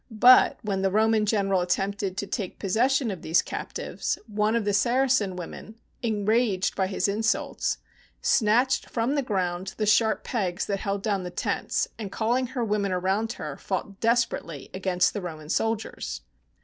But when the Roman general attempted to take possession of these cap tives, one of the Saracen women, enraged by his in sults, snatched from the ground the sharp pegs that held down the tents, and calling her women around her, fought desperately against the Roman soldiers.